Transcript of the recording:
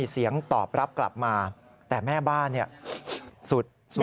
เสียงตอบรับกลับมาแต่แม่บ้านสุด